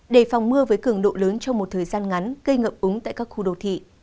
đề phòng mưa với cường độ lớn trong một thời gian ngắn gây ngập úng tại các khu đô thị